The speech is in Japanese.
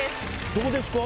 どこですか？